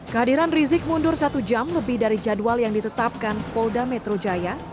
kehadiran rizik mundur satu jam lebih dari jadwal yang ditetapkan polda metro jaya